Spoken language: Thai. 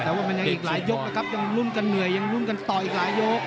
แต่ว่ามันยังอีกหลายยกนะครับยังรุ่นกันเหนื่อยยังรุ่นกันต่ออีกหลายยก